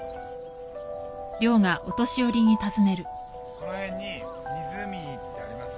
この辺に湖ってあります？